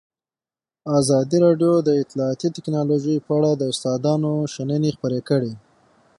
ازادي راډیو د اطلاعاتی تکنالوژي په اړه د استادانو شننې خپرې کړي.